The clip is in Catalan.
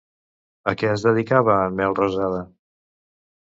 A què es dedicava en Melrosada?